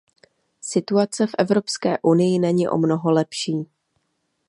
Situace v Evropské unii není o mnoho lepší.